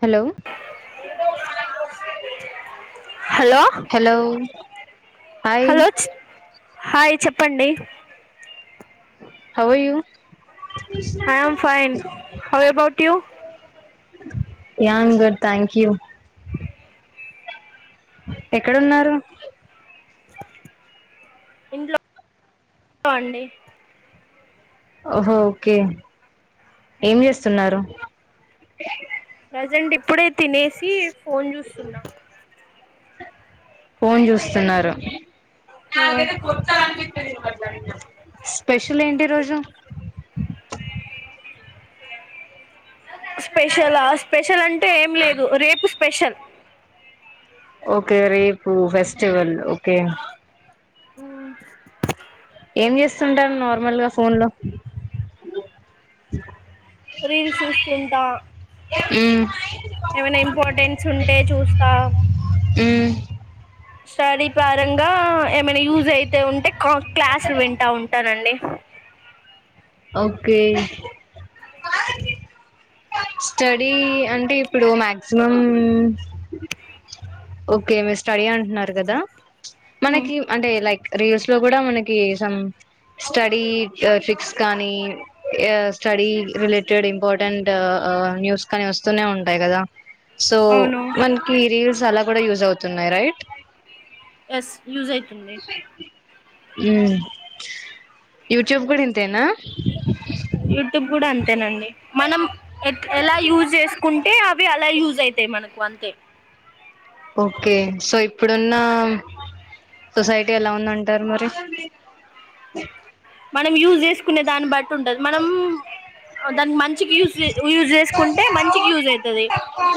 Hello hello hello hi hello hi చెప్పండి how I you I'm fine how about you yeah am good thank you ఎక్కడున్నారు ఇంట్లో అండి ఓహో okay ఏం చేస్తున్నారు ప్రజెంట్ ఇప్పుడే తినేసి ఫోన్ చూస్తున్నా ఫోన్ చూస్తున్నారు స్పెషల్ ఏంటి ఈరోజు స్పెషలా స్పెషల్ అంటే ఏం లేదు రేపు స్పెషల్ ఓకే రేపు ఫెస్టివల్ ఓకే హ్మ్ ఏం చేస్తుంటారు నార్మల్గా ఫోన్ లో రీల్స్ చూస్తుంటా మ్మ్ ఏమైనా ఇంపార్టెన్స్ ఉంటే చూస్తా మ్మ్ స్టడీ పారంగా ఏమైనా యూజ్ అయితే ఉంటే కా క్లాస్లు వింటా ఉంటానండి ఓకే స్టడీ అంటే ఇప్పుడు మ్యాక్సిమం ఓకే మీరు స్టడీ అంటున్నారు కదా మనకి అంటే లైక్ రిల్స్ లో కూడా మన కి సం స్టడీ ట్రిక్స్ కానీ స్టడీ రిలేటెడ్ ఇంపార్టెంట్ న్యూస్ కానీ వస్తూనే ఉంటాయి కదా సో అవును మనకి రీల్స్ అలా కూడా యూజ్ అవుతున్నాయి రైట్ ఎస్ యూజ్ అయితుంది హ్మ్ యూట్యూబ్ కూడా ఇంతేనా యూట్యూబ్ కూడా అంతేనండి మనం ఎ ఎలా యూజ్ చేసుకుంటే అవి అలా యూజ్ అయితాయి మనకు అంతే ఓకే సో ఇప్పుడున్న సొసైటీ ఎలా ఉందంటారు మరి మనం యూజ్ చేసుకునే దాన్ని బట్ ఉంటదు మనం దాన్ని మంచికి యూజ్ యూజ్ చేసుకుంటే మంచికి యూజ్ అయితది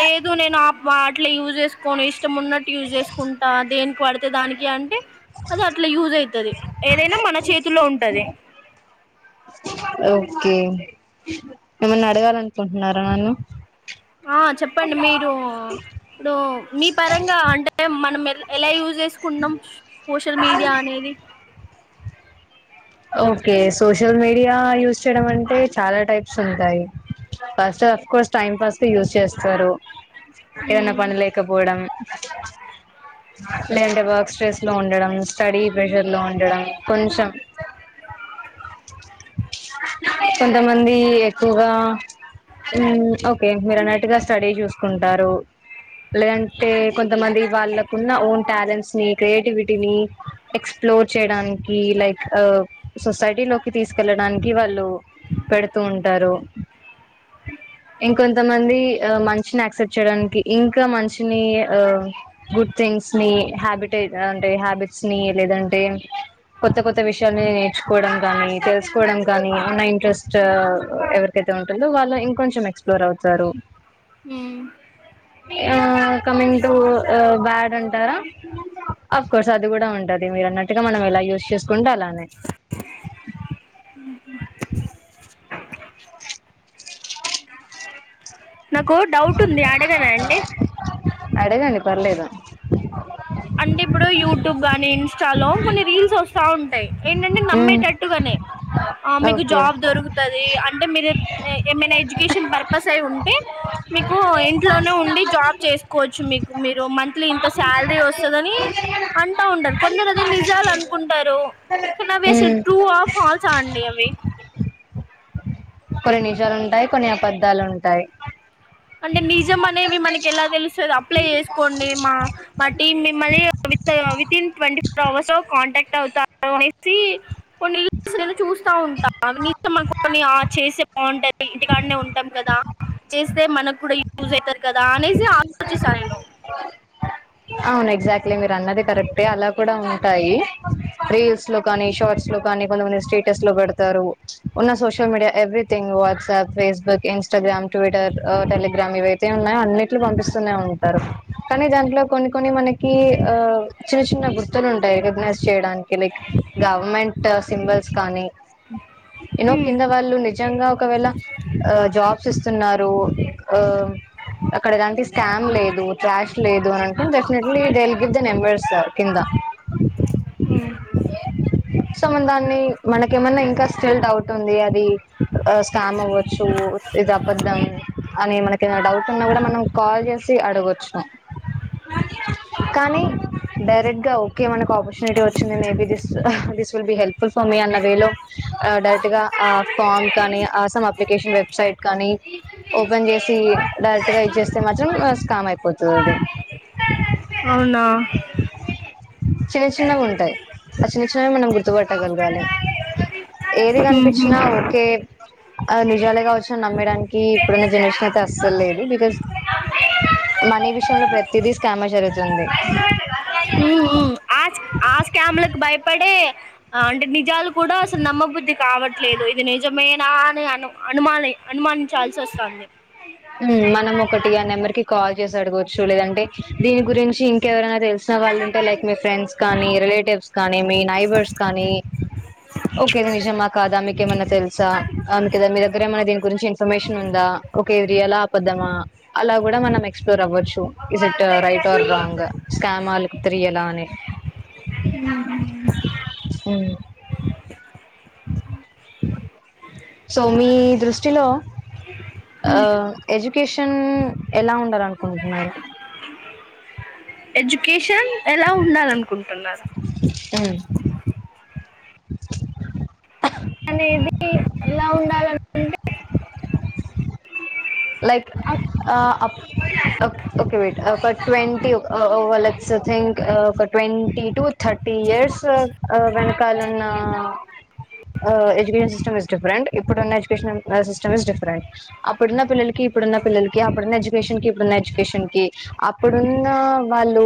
లేదు నేను ఆ వాటిలో యూజ్ చేసుకోని ఇష్ ఇష్టం ఉన్నట్టుయూజ్ చేసుకుంటా దేని పడితే దానికి అంటే అది అట్లా యూజ్ అయితది ఏదైనా మన చేతిలో ఉం అదే ఓకే ఏమన్నా అడగాలనుకుంటున్నారా నన్ను ఆ చెప్పండి మీరు ఇప్పుడు మీ పరంగా అంటే మనం ఎలా యూజ్ చేసుకుంటున్నాం సోషల్ మీడియా అనేది ఓకే సోషల్ మీడియా యూస్ చేయడం అంటే చాలా టైప్స్ ఉంటాయి first of course time pass కె యూజ్ చేస్తారు ఏదన్నా ఉమ్ పని లేకపోవడం లేదంటే వర్క్స్ స్ట్రెస్ లో ఉండడం స్టడీ ప్రెషర్ లో ఉండడం కొంచెం కొంతమంది ఎక్కువగా హ్మ్ ఓకే మీరు అన్నట్టుగా స్టడీ చూసుకుంటారు లేదంటే కొంతమంది వాళ్ళకున్న ఓన్ టాలెంట్స్ ని క్రియేటివిటీని ఎక్సప్లోర్ చేయడానికి లైక్ సొసైటీ లో కి తీసుకెళ్లడానికి వాళ్ళు పెడుతూ ఉంటారు ఇంకొంతమంది మంచిని యాక్సెప్ట్ చేయడానికి ఇంకా మంచిని ఆ గుడ్ థింగ్స్ ని హ్యాబిటైట్ అంటే హ్యాబిట్స్ ని లేదంటే కొత్త కొత్త విషయాలని నేర్చుకోవడం కానీ తెలుసుకోవడం కానీ ఉన్న ఇంట్రెస్ట్ ఎవరికైతే ఉంటుందో వాళ్ళు ఇంకొంచెం ఎక్సప్లోర్ అవుతారు హ్మ్ ఆ కమింగ్ టు బ్యాడ్ అంటారా అఫ్కోర్స్ అది కూడా ఉంటది మీరు అన్నట్టుగా మనం ఇలా యూస్ చేసుకుంటే అలానే నకు డౌట్ ఉంది అడగనే అండి అడగండి పర్లేదు. అంటే ఇప్పుడు యూట్యూబ్ గానీ ఇన్స్టా లో కొన్ని రీల్స్ వస్త చాగుంటాయి ఏంటంటే ఉమ్, నమ్మేటట్టుగానే ఆ మీకు ఓకే జాబ్ దొరుకుతది అంటే మీర ఏమైనా ఎడ్యుకేషన్ పర్పస్ అయి ఉంటే మీకు ఇంట్లోనే ఉండి జాబ్ చేసుకోవచ్చు. మీకు మీరు మంత్లీ ఇంత శాలరీ వస్తు వని అంటా ఉంటారు కొందరు అది నిజాలు అనుకుంటారు. నా వేసల్ ఉమ్, ట్రూ ఆర్ పాల్ జన్డి [unintelligible] అవి కొన్ని నిజాలుంటాయి కొన్ని అబద్ధాలు ఉంటాయి అంటే నిజం అనేవి మనకి ఎలా తెలుసు అప్లై చేసుకోండి మా మా టీం మిమ్మల్ని వితిన్ ట్వంటీ ఫోర్ అవర్స్ లో కాంటాక్ట్ అవుతారు అనేసి కొన్ని న్యుస్ లను చూస్తా ఉంటా అవి నీం [unintelligible] చం మన కొన్ని చేసే బాగుంటాది ఇంటికాడనే ఉంటాం కదా చే అయితే మనకు కూడా యూస్ అయితాది కదా అనేసి ఆలోచిస్తారు అండో అవును ఎగ్జాక్ట్లీ మీరు అన్నది కరెక్టే అలా కూడా ఉంటాయి రీల్స్ లో కానీ షార్ట్స్ లో కానీ కొంతమంది స్టేటస్ లో పెడతారు ఉన్న social media everything WhatsApp Facebook Instagram Twitter Telegram ఇవయితే ఉన్నాయో అన్నిట్లు పంపిస్తూనే ఉంటారు కానీ దాంట్లో కొన్ని కొన్ని మనకి ఆ చిన్న చిన్న గుర్తులు ఉంటాయి రికగ్నైజ్ చేయడానికి లైక్ గవర్నమెంట్ సింబల్స్ కానీ ఇన్నో హ్మ్ కింద వాళ్ళు నిజంగా ఒకవేళ ఆ జాబ్స్ ఇస్తున్నారు అక్కడ ఎలాంటి స్కామ్ లేదు ట్రాష్ లేదు అ డెఫినెట్లీ డెల్గద్దే నెంబర్స్ కింద ఆ సో మన దాన్ని మనక ఏమన్నా ఇంకా స్టిల్ డౌట్ ఉంది అది స్కామ్ అవ్వచ్చు ఇది అబద్ధం అని మనకి ఏమనా డౌట్ ఉన్నా కూడా మనం కాల్ చేసి అడగచ్చు కానీ డైరెక్ట్ గా కి ఎమన్నా ఆపోర్చునిటీ వచ్చిం may be just helpful for me అనే వేలొ డైరెక్ట్ గా ఆ ఫాం కాని ఆసమ్ అప్లికేషన్ వెబ్సైట్ కానీ ఓపెన్ చేసి డైరెక్ట్ గా ఇస్తే మాత్రం స్కాం అయిపోతాది అదే అవునా చిన్న చిన్నగ ఉంటాయ్ ఆ చిన్న చిన్నవి మనం గుర్తుపట్టగలగాలి ఏది మ్మ్ కనిపించినా హ్మ్ ఓకే అది నిజాలే గావచ్చు నమ్మడానికి ఇప్పుడున్న జనరేషన్ అయితే అస్సలు లేదు బికాజ్ మనీ విషయంలో ప్రతిదీ స్కామె జరుగుతుంది స్కామ్ లకు భయపడి అంటే నిజాలు కూడా అసలు నమ్మబుద్ధి కావట్లేదు ఇది నిజమేనా అని అను అనుమాని అనుమానించాల్సి వస్తాంది మనం ఒకటిగా నెంబర్కి కాల్ చేసి అడగొచ్చు లేదంటే దీని గురించి ఇంకెవరైనా తెలిసిన వాళ్ళుంటే లైక్ మీ ఫ్రెండ్స్ కానీ రిలేటివ్స్ కానీ మీ నైబర్స్ కానీ ఓకే నిజమా కాదా మీకేమన్నా తెలుసా అందుకే మీ దగ్గర ఏమన్న దీని గురించి ఇన్ఫర్మేష ఉందా కేరియాల అబద్దమా అలా కూడా మనం ఎక్స్ప్లోర్ అవ్వచ్చు ట్ రైట్ ఆ రాంగ్ తెల సో మీ దృష్టిలో ఆ ఉమ్, ఎడ్యుకేషన్ ఎలా ఉండాలనుకుంటున్నారు ఎడ్యుకేషన్ ఎలా ఉండాలనుకుంటున్నారు ఉమ్ అనేది ది ఎలా ఉండాలనుకుంటే like uh up okay white twenty అన్ట్ twenty to thirty years వెనకాలున్న uh education system is different ఇప్పుడున్న ఎడ్యుకేషన్ సిస్టమ్ ఇస్ డిఫరెంట్ అప్పుడున్న పిల్లలకి కి ఇప్పుడున్న పిల్లలకి అప్పుడున్న ఎడ్యుకేషన్ కి ఇప్పుడున్న ఎడ్యుకేషన్ కి అప్పుడున్న వాళ్ళు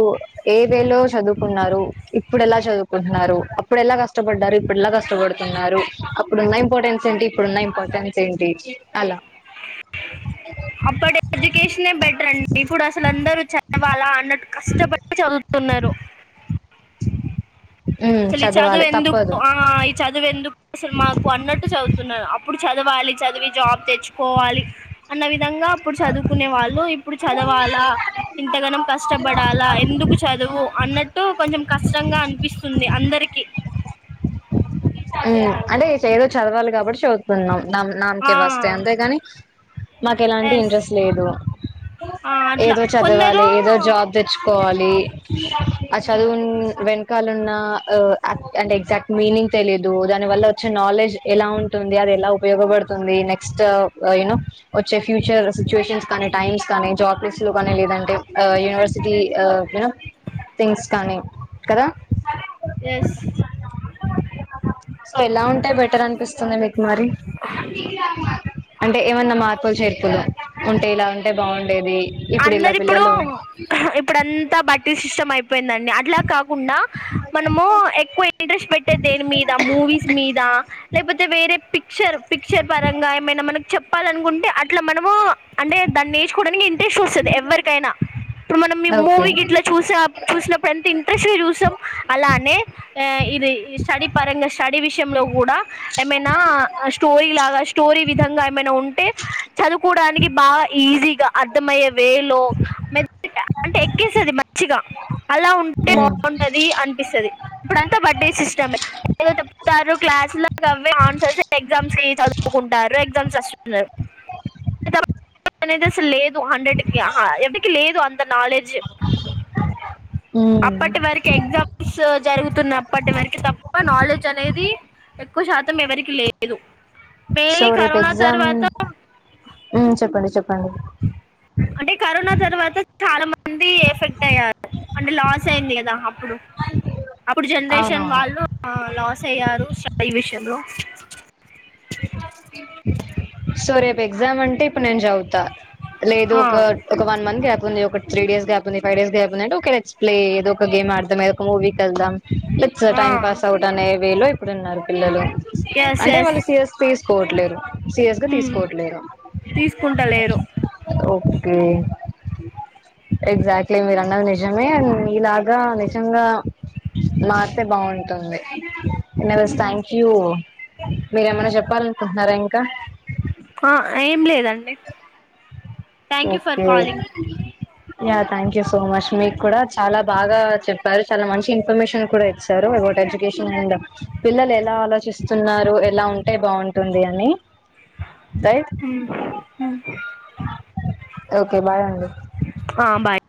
ఏ వేలో చదువుకున్నారు ఇప్పుడు ఎలా చదువుకుంటున్నారు అప్పుడు ఎలా కష్టపడ్డారు ఇప్పుడులా కష్టపడుతున్నారు అప్పుడున్న ఇంపార్టెన్స్ ఏంటి ఇప్పుడున్న ఇంపార్టెన్స్ ఏంటి అల అ అప్పటి ఎడ్యుకేషనే బెటరె అండి ఇప్పుడు అసలు అందరూ చదవాలా అన్నట్టు కష్టపడి చదువుతున్నారు ఉమ్ అసలు ఈ చదువు చదవాలి ఎందుక్ తప్పదు ఆ ఈ చదువు ఎందుకు అసలు మాకు అన్నట్టు చదువు అప్పుడు చదవాలి చదివి జాబ్ తెచ్చుకోవాలి అన్న వి విధంగా అప్పుడు చదువుకునే వాళ్ళు ఇప్పుడు చదవాలా ఇంత గనం కష్టపడాలా ఎందుకు చదువు అన్నట్టు కొంచెం కష్టంగా అ ఉంది అందరికి అంటే ఏదో చదవాలి కాబట్టి చదువుతున్నాం నామకే వస్తే అంతేగాని మాకు ఎలాంటి ఎస్ ఇంట్రెస్ట్ లేదు అట్లా ఏదో చదవాలి కొందరు ఏదో జాబ్ తెచ్చుకోవాలి అ అ వె న్న అండ్ ఎగ్జాక్ట్ మీనింగ్ తెలిదు దాని వల్ల వచ్చే నాలెడ్జ్ ఎలా ఉంటుంది అది ఎలా ఉపయోగపడుతుంది నెక్స్ట్ యూనో వచ్చే ఫ్యూచర్ సిచ్యుయేషన్స్ కానీ టైమ్స్ కానీ జాబ్ లిస్ట్ లో కానీ లేదంటే యూనివర్సిటీ యన థింగ్స్ కానీ కదా యెస్ సో ఎలా ఉంటే బెటర్ అనిపిస్తుంది మీకు మరి అంటే ఏమన్నా మా చెప్పులు చేర్పులు ఉంటే కిలా ఉంటే బాగుండేది ఇలా అందరి ఇప్పుడు పిల్లలు ఇప్పుడంతా బట్టి స్ పోయిందండి అట్ల కాకుండా మనము ఎక్కువ ఇంట్రెస్ట్ పెట్టే దేని మీద మూవీస్ మీద లేకపోతే వేరే పిచర్ పిక్చర్ పరంగా ఏమైనా మనకు చెప్పాలనుకుంటే అంటే అట్ల మనము అంటే దాన్ని నేచు ఇెట్ వస్తుంది ఎవ్వరికైనా ఇప్పుడు మనం మీ ఓకే మూవీ గ ఇట్ల చూస చూసినప్పుడు ఎంత ఇంట్రెస్ట్ చూసాం అలానే ఇది స్టడీ పరంగా స్టడీ విష విషయం లో కూడా ఏమైనా స్టోరీ లాగ స్టోరీ విధంగా ఏమైన ఉంటే చదువుకోవడానికి బావా ఈజీగా అ తిమ్మ యెరు వేలో [inaudible] అంటే ఎక్కేసేది మంచిగా అలా ఉంటే బాగుంటది అనిపిస్తాది ఇప్పుడంతా బడ్డీ సిస్టమ్ ఏదో చెప్తారు క్లాస్ లాగా అవి ఆన్సర్స్ ఎగ్జామ్స్ కి చదువుకుంటారు ఎగ్జామ్స్ రస్తున్నారు నాలేజ్ అసల్ లేదు హండ్రెడ్ కి ఆహ్ ఎవిడికి లేదు అంత నాలెడ్జ్ ఉమ్ ఉమ్ అప్పటి వరకు ఎగ్జామ్స్ జరుగుతున్న అప్పటి వరకు తప్ప నాలెడ్జ్ అనేది ఎక్ ఎక్కువ శాతం ఎవరికి లేదు సో మెయిన్లీ రేపు కరోనా ఎగ్జామ్ తర్వాత ఉహ్ చెప్పండి చెప్ప పండి అంటే కరోనా తర్వాత చాలా మంది ఎఫెక్ట్ అయ్యారు అంటే లాస్ అయింది కదా అప్పుడు అప్పుడు జనరేషన్ అవునవును వాళ్ళు ఆ లాస్ అయ్యారు స్టడీ విషయంలో అ సో రేప్ ఎగ్జామ్ అంటే అప్పుడు నేను చదువుతా లేదు ఆ ఒక ఒక వన్ మంత్ గ్యాప్ ఉంది ఒక త్రీ డేస్ గ్యాప్ ఉంది పైవ్ డేస్ గ్యాప్ ఉందంటే ఒకేె లెట్స్ ప్లే ఏదో ఒక గేమ్ ఆడదాం ఏదో ఒక మూవి కి వెల్దామ్ లెట్స్ ఆ టైమ్ పాస్ అవుట్ అనే వే లో ఇప్పుడు ఉన్నారు పిల్లలు ఎస్ అంటే ఎస్ వాళ్ళు సీరియస్ తీసుకోవట్లేరు సీరియస్ గా ఉమ్ తీసుకోవట్లేదు తీసుకుంటలేరు ఓకే ఎగ్జాక్ట్లీ మీరు అన్నది నిజమే మీలాగా నిజంగా మారితే బాగుంటుంది ఎస థ్యాంక్ యూ మీరేమన్నా చెప్ప అప్పల అనుకుంటున్నారా ఇంకా ఆ ఏం లేదండి thank you for okay calling thank you so much మీకు కూడా చాలా బాగా చెప్పారు చాలా మంచి ఇన్ఫర్మేషన్ కూడా ఇచ్చారు అ ఎడ్యుకేషన్ అండ్ పిల్లలు ఎలా ఆలోచిస్తున్నారు ఎలా ఉంటే బాగుంటుంది అని రైట్ హ ఓకే బాయ్ అండి ఆ బాయ్